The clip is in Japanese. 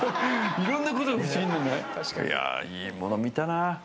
いやあ、いいもの見たな。